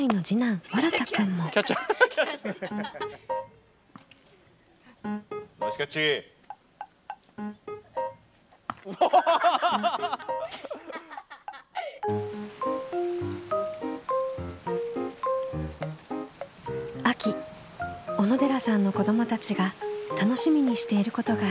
秋小野寺さんの子どもたちが楽しみにしていることがあります。